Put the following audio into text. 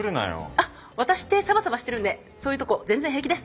あっワタシってサバサバしてるんでそういうとこ全然平気です！